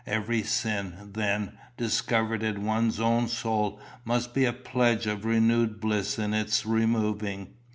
Every sin, then, discovered in one's own soul must be a pledge of renewed bliss in its removing.